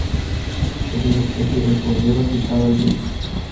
Es una especie de cordero secado al viento.